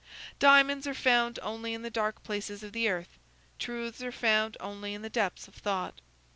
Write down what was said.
Diamonds are found only in the dark places of the earth; truths are found only in the depths of thought.